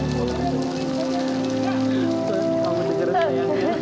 kamu dengar sayangnya